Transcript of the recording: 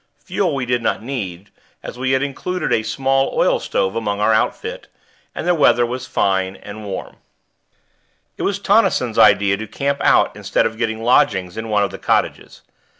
Fuel we did not need, as we had included a small oil stove among our outfit, and the weather was fine and warm. It was Tonnison's idea to camp out instead of getting lodgings in one of the cottages.